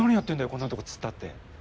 こんなとこ突っ立って。